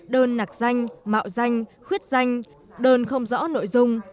đơn nạc danh mạo danh khuyết danh đơn không rõ nội dung